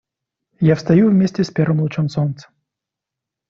Я встаю вместе с первым лучом солнца.